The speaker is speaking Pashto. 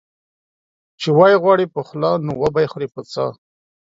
چي وې غواړې په خوله، نو وبې خورې په څه؟